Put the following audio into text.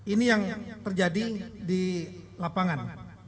ini yang terjadi di lapangan